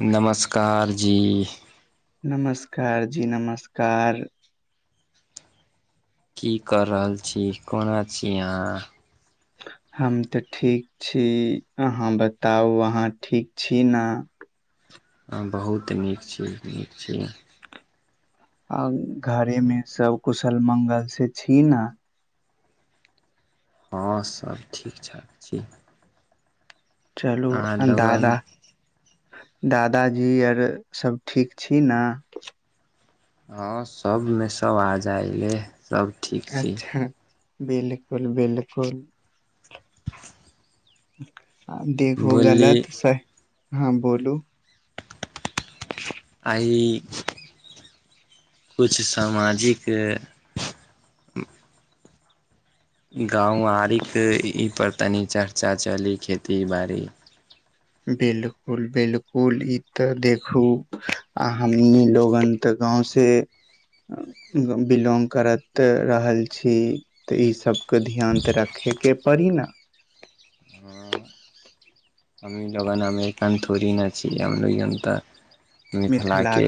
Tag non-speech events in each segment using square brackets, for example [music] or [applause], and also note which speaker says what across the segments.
Speaker 1: नमस्कार जी।
Speaker 2: नमस्कार जी नमस्कार।
Speaker 1: की कऽ रहल छी? कोना छी अहाँ?
Speaker 2: हम तऽ ठीक छी। अहाँ बताउ अहाँ ठीक छी न?
Speaker 1: हॉं बहुत नीक छी, नीक छी।
Speaker 2: आ घरे मे सब कुशल मंगल से छी न?
Speaker 1: हँ सब ठीक-ठाक छी।
Speaker 2: चलू
Speaker 1: अहाँ लगन
Speaker 2: अन्दादा दादाजी अर सब ठीक छी ना?
Speaker 1: हँ, सबमें सब आ जाइले, सब ठीक छी
Speaker 2: अच्छा, बिलकुल-बिलकुल देखू
Speaker 1: बोलली
Speaker 2: गलत सह हॉं बोलू।
Speaker 1: आई कुछ सामाजिकऽ गाँवारीक ई पर तनी चर्चा चली खेती बाड़ी
Speaker 2: बिलकुल-बिलकुल, ई तऽ देखू आ हमीं लोगन तऽ गाँंव से बिलोंग करत रहल छी। तऽ ई सबके ध्यान तऽ रखे के पड़ी न?
Speaker 1: हॉं। हमीं जबाना में एखन थोरी न छी, हम लोयंता मिथिलाके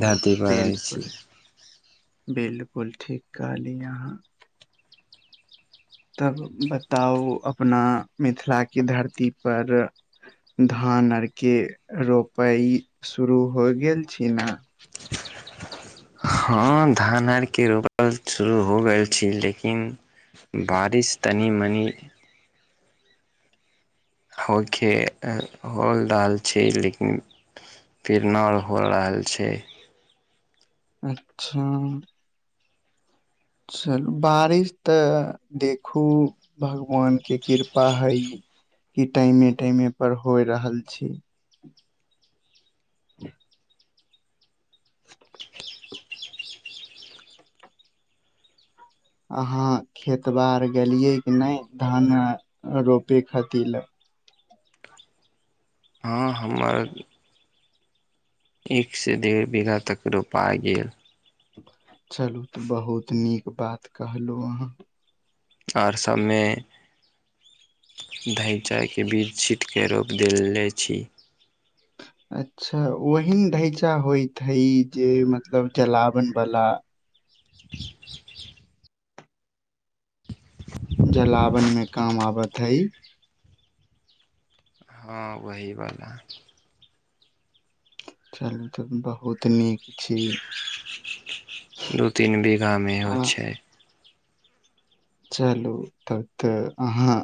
Speaker 1: धरती पर रहैत छी।
Speaker 2: बिलकुल बिलकुल ठीक कहली अहाँ। तब बताउ अपना मिथिलाके धरतीपर धान अर के रोपई शुरू हो गेल छी ना?
Speaker 1: हँ धान आरके रोपल शुरू हो गेल छी लेकिन बारिश तनि मनि होय खे, हो रहल छै, लेकिन पीरनौर हो रहल छै।
Speaker 2: अच्छा। चलू बारिश तऽ देखू भगवान के कृपा हई कि टाइमे टाइमे पर होय रहल छै। [unintelligible] अहाँ खेत बार गेलियै कि नहि धान रोपे खातिर ल?
Speaker 1: हँ हमर एक से डेढ़ बीघा तक रोपा गेल।
Speaker 2: चलू तऽ बहुत नीक बात कहलहुँ अहाँ।
Speaker 1: आर सभमे धैँचाके बीज छीटके रोप देले छी।
Speaker 2: अच्छा ओहिन ढैंचा होइत हइ जे मतलब जलावन बला
Speaker 1: [unintelligible] [inaudible]
Speaker 2: जलावन मे काम आबत हइ।
Speaker 1: हाॅं वही वाला।
Speaker 2: चलू तब त बहुत नीक छी
Speaker 1: दू तीन बीघा मे
Speaker 2: आ
Speaker 1: एहो छै।
Speaker 2: चलू तब त अहाँ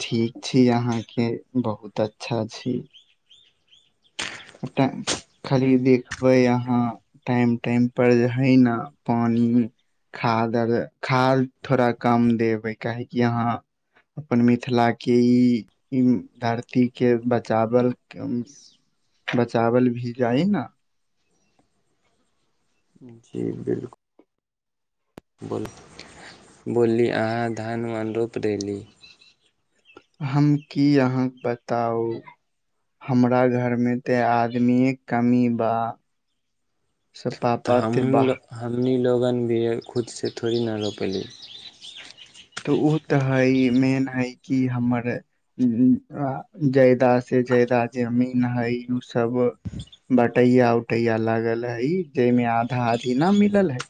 Speaker 2: खेती अहाॅं के बहुत अच्छा छै। [unintelligible] खाली देखबै अहाँ टाइम टाइम पर जे हइ न पानि खाद आर खाद थोड़ा कम देबै काहेकि यहाँ अपन मिथिला के ई ई धरती के बचावल बचावल भी जाइ न।
Speaker 1: जी बिलकुल। बोल बोलली अहाँ धान वान रोप देली।
Speaker 2: हम की अहाँके बताउ हमरा घरमे तऽ आदमिए कमी बा सब
Speaker 1: तऽ
Speaker 2: पापा ते
Speaker 1: हमनी
Speaker 2: बाह
Speaker 1: लोग हमनी लोगनभी खुद से थोड़ी न रोपली
Speaker 2: तऽ ओ तऽ हइ मेन हइ कि हमर जायदा से जायदा जे अमीन हइ ओ सब बट टैया उटैया लागल हई जाहिमे आधा आधी ना मिलल हई।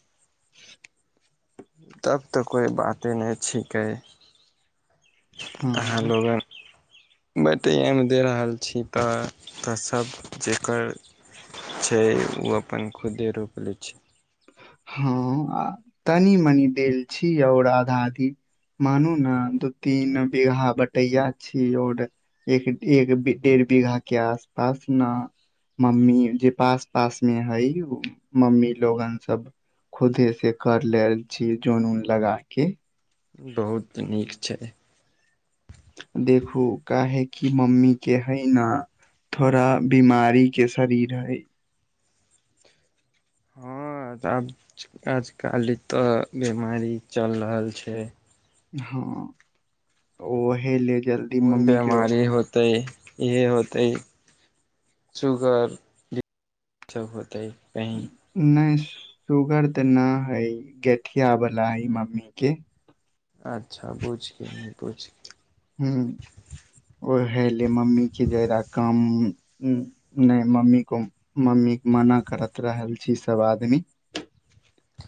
Speaker 1: तब तऽ कोइ बाते नहि छिकै। अहाॅं
Speaker 2: हाँ
Speaker 1: लोगा माटिये मे द रहल छी तऽ तऽ सभ जेकरा छै ओ अपन खुदे रोपिलै छै।
Speaker 2: हूं तनी मनि देल छी आऔर आधाआधी मानू ना दू तीन बीघा बटैया छी आऔर एक डेढ डेढ़ बीघा के आसपास ना मम्मी जे पास पास में हई मम्मी लोगन सब खुदे से कर ले छी जोन उन लगा के।
Speaker 1: बहुत नीक छै।
Speaker 2: देखू काहे कि मम्मी के है न थोड़ा बीमारी के शरीर है।
Speaker 1: हँ तो अब आज काल एतऽ बीमारी चल रहल छै।
Speaker 2: हम्म वहि लेजल
Speaker 1: कोन बिमारी होतै इहे होतै सुुगर सभ सब होतै कही
Speaker 2: नहि सुगर ते न हई गठिया वला हई मम्मी के
Speaker 1: अच्छा बुझि गेलियै बुझि गेलियै।
Speaker 2: हुं ओहे ले मम्मी के जादा काम नहि मम्मी को मम्मी मना करत रहल छी सभ आदमी।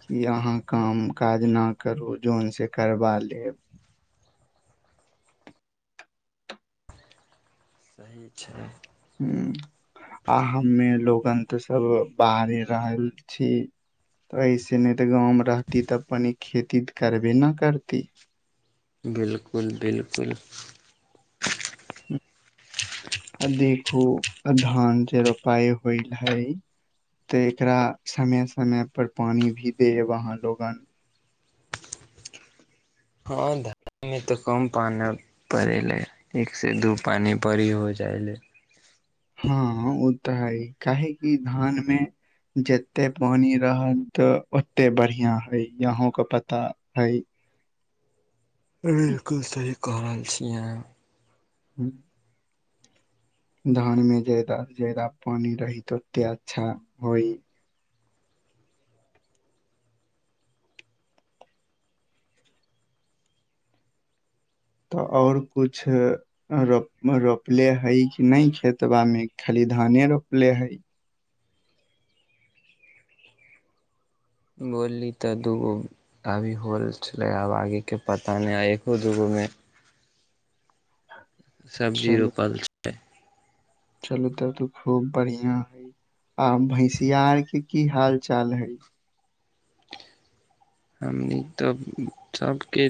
Speaker 2: कि अहाँ काम काज नहि करू जोन से करबा लेब।
Speaker 1: सही छै।
Speaker 2: हू आ हमे लोगन तऽ सब बाहर रहल छी। तऽ एहिसँ नहि तऽ गाँवमे रहती तऽ कनी खेती करबे नहि करती।
Speaker 1: बिलकुल बिलकुल।
Speaker 2: आ देखू धान जे रोपाय होइल हइ। तऽ एकरा समय समय पर पानी भी देब अहाँ लोगन।
Speaker 1: हँ धानमे तऽ कम पानी पड़ैलै एकसँ दू पानि बड़ी हो जाइलै।
Speaker 2: हँ ओ तऽ है काहे कि धान मे जते पानी रहल त ओत्ते बढिया है अहा के पता हई
Speaker 1: बिलकुल सही क रहल छी अहां।
Speaker 2: [inaudible] धान में जादा से जादा पानि रहै त ओते अच्छा होइ। तऽ और किछु रोप रोपले हइ कि नहि खेतबा मे खाली धाने रोपले हइ।
Speaker 1: बोलली तऽ दूगो अभी होल छलै आब आगेके पता नहि एगो दूगोमे सब्जी
Speaker 2: चलू
Speaker 1: रोपल छै।
Speaker 2: चलू तब त खूब बढ़िया हई आ भैंसिया आर के की हाल चाल है?
Speaker 1: हमनी तऽ सभके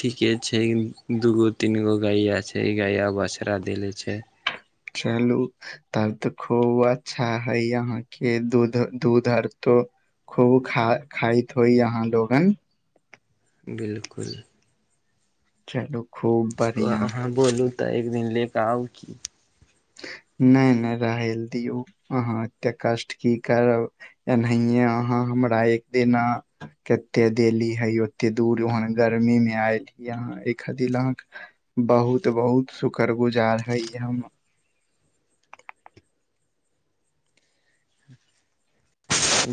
Speaker 1: ठीके छै दूगो तीन गो गैया छै गैया बछड़ा देले छै।
Speaker 2: चलू। तब तऽ खूब अच्छा हइ अहाँके दूध दूध आर तो खूब खा खाइत होई अहां लोगन
Speaker 1: बिलकुल।
Speaker 2: चलू। खूब बढ़िया
Speaker 1: अहाँ
Speaker 2: हई
Speaker 1: बोलू तऽ एक दिन ले क आउ की
Speaker 2: नहि नहि रहैल दियौ अहाँ एतेक कष्ट की करब एनाहिए अहाँ हमरा एक दिना कते देली हे ओते दूर ओहन गर्मी मे आयल ही अहाँ एहि खातिर अहाँ बहुत बहुत शुक्रगुजार है हम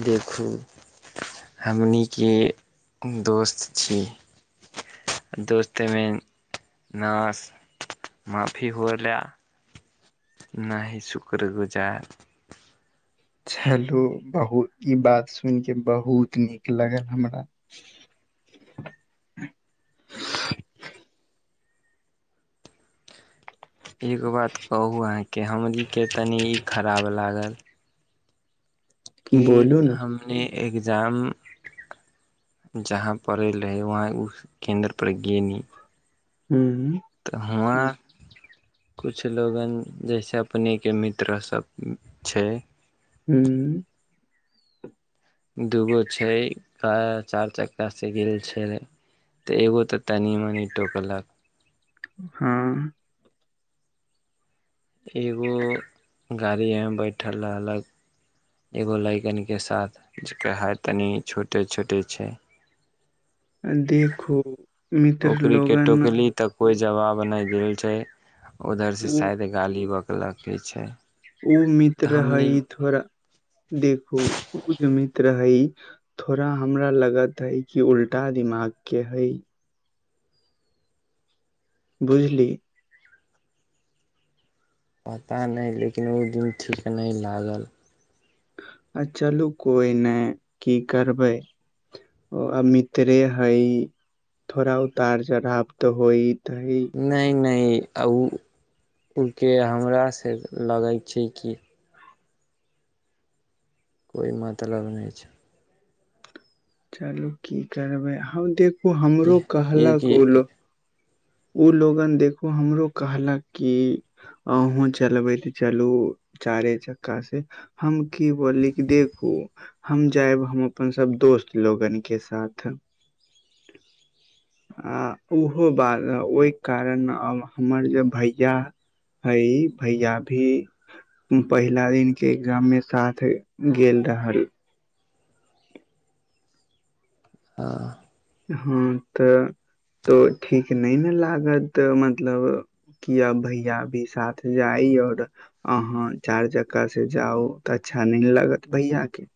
Speaker 1: देखू हमनीके दोस्त छी। दोस्ती मे नाश माफी होला न ही सुक्रगुजार
Speaker 2: चलो बहुत ई बात सुनि के बहुत नीक लागल हमरा
Speaker 1: एगो बात कहु अहांके हमर के तनी ई खराब लागल कि
Speaker 2: बोलू ने
Speaker 1: हमने एग्जाम जहाँ पड़ैल रहै वहाँ उ केन्द्रपर गेनी
Speaker 2: हू
Speaker 1: तऽ हमआँ- - कुछु लोगन जैसे अपनेके मित्र सब छै
Speaker 2: हूँ- -
Speaker 1: दूगो छै चारि चक्का से गेल छैइ। एगो तऽ तनी मनि टोकलक
Speaker 2: हहँ- -
Speaker 1: फेर ओ गाड़ीमे बैठल रहलक एगो लैरकन के साथ जेकर हाय तनी छोटे छोटे छैइ।
Speaker 2: देखू मित्र लोगेइन म - -
Speaker 1: कोइ जवाब नहि देल छै उधर से
Speaker 2: उ
Speaker 1: शायद गाली बकलक छैइ।
Speaker 2: ओ मित्र हई थोड़ा देखो ओ जे मित्र हइ- - थोड़ा हमरा लगत हई क उल्टा दिमाग के हई- - बुझली- -
Speaker 1: पता न इ लेकिन ओ दिन ठीक नइ लागल- -
Speaker 2: आ चलू कोई नई कि करबै- - ओ अ मितरे हइ थोड़ा उतार चढ़ाप तऽ होइत हेइ।
Speaker 1: नई नई ओ ओके हमरासँ लगै छै कि- - कोइ मतलब नहि छै।
Speaker 2: चलू की करबै हम देखू हमरो कहलक
Speaker 1: कियैकि
Speaker 2: ओ लो- - ओ लोगन देखो हमरो कहलक कि अहूँ चलबे तऽ चलू चारे चक्का से हम की बोलली कि देखू हम जायब हम अपन सब दोस्त लोगेन के साथ आ ओहो बाल- - ओहि कारण अब हमर जे भैया हइ भैया भी पहिला दिन के गामे साथ गेल रहल- -
Speaker 1: आ- -
Speaker 2: हँ तऽ तो ठीक न इ ने लागत मतलब- - कि अ भैया भी साथ जाइ अओर- - अहाँ चारि चक्का से जाउ तऽ अच्छा नइ लागत भैया के- -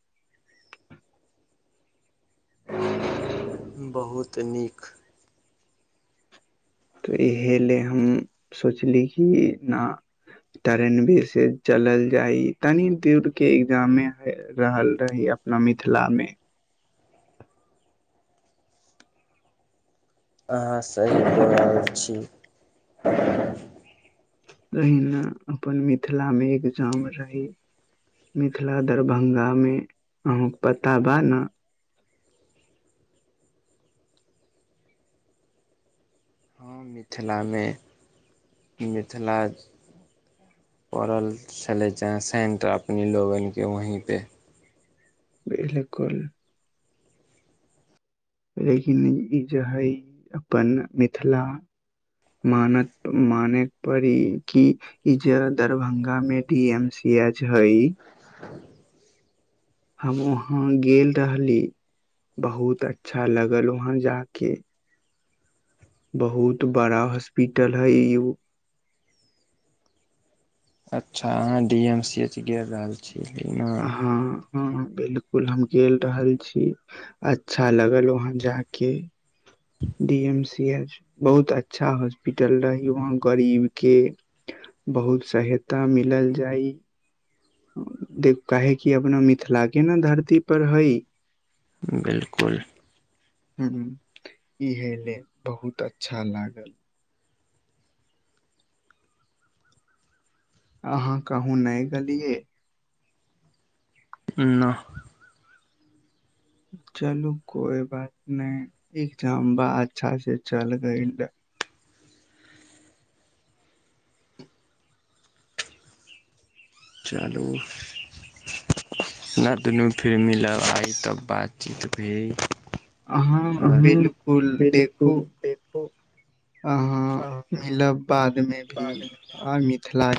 Speaker 1: बहुत नीक- -
Speaker 2: तऽ इह लए हम सोचली कि न- - ट्रेन भी से चलल जाइ तनी दूर के एग्जामे ह रहल रही अ न मिथिला मे- -
Speaker 1: अहाँ सही क रहल छि।
Speaker 2: रहहिना अपन मिथिला मे एक जाम रही। मिथिला दरभंगा में अहके पता बा न- -
Speaker 1: हँ मिथिलामे ई जे छला च - - पड़ल छलै सेन्ट अपने लोगने वहीपे- -
Speaker 2: बिलकुल- - लेकिन ई जे हइ अपन मिथिला- - मानक मानेक पड़ ई कि-, - इ जे दरभंगा में डी एम सी एच हई- -
Speaker 1: [inaudible]
Speaker 2: हमहु वहाँ गेल रहली, बहुत अच्छा लगल वहाँं जाके बहुत बड़ा हॉस्पिटल हय यो।
Speaker 1: अच्छा अहाँ डी एम सी एच गेल रहल छी। [inaudible]
Speaker 2: हँ। हँ-ह बिल्कुल हम गेल रहल छी, अच्छा लगल वहाँं जाके। डी एम सी एच बहुत अच्छा हॉस्पिटल रहि, वहाँ गरीब के बहुत सहायता मिलल जाइ, देख काहे कि अपना मिथिला के न धरती पर हई।
Speaker 1: बिल्कुल।
Speaker 2: हु-हु, इहेले बहुत अच्छा लागल। अहाँ कहूँ नहि गेलियै।
Speaker 1: नह।
Speaker 2: चलू कोइ बात नहि, एक झम्बा अच्छा से चल गैयल। द
Speaker 1: चालू। अपना दुनू फेर मीलब आइ तब बातचीत भेल।
Speaker 2: अहाँ
Speaker 1: हँन,
Speaker 2: बिल्कुल देखू
Speaker 1: बिलकुल देखु।
Speaker 2: अहाँ मिलब बादमे भी, और मिथिला